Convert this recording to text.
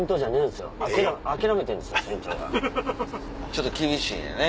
ちょっと厳しいんやね。